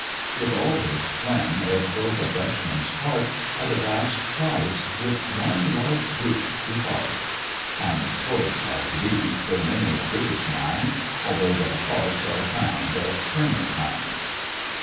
With all his phlegm, it broke a Dutchman's heart, At a vast price, with one loved root to part; And toys like these fill many a British mind, Although their hearts are found of firmer kind.